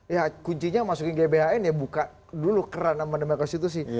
ya kuncinya masukin gbhe nih ya buka dulu keran sama demikian situ sih